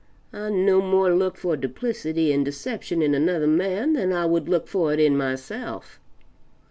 I no more look for duplicity and deception in another man than I would look for it in myself.